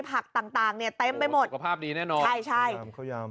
ผักต่างต่างเนี่ยเต็มไปหมดสภาพดีแน่นอนใช่ใช่ยำข้าวยำ